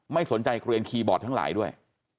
ไม่สนใจเกลียนคีย์บอร์ดทั้งหลายด้วย